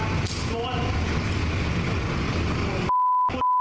กูเป็นใครแล้วมึงมาทำอย่างนี้กับกูไว้